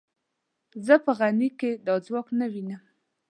زه په غني کې دا ځواک نه وینم.